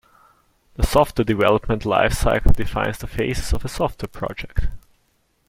The software development life cycle defines the phases of a software project.